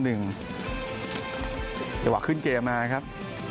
จังหวะขึ้นเกมมาครับ